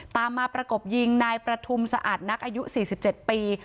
ตามมาประกบยิงนายประทุมสะอาดนักอายุ๔๗ปี